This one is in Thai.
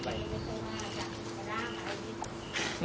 มันเยี่ยม